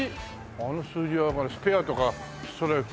あの数字はスペアとかストライク。